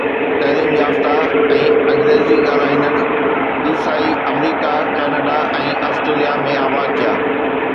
تعليم يافته ۽ انگريزي ڳالهائيندڙ عيسائي آمريڪا، ڪئناڊا ۽ آسٽريليا ۾ آباد ٿيا.